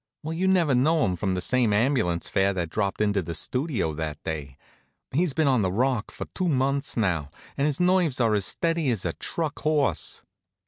Well, you'd never known him for the same ambulance fare that dropped into the Studio that day. He's been on the 'rock for two months now, and his nerves are as steady as a truck horse.